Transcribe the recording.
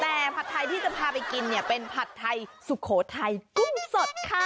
แต่ผัดไทยที่จะพาไปกินเนี่ยเป็นผัดไทยสุโขทัยกุ้งสดค่ะ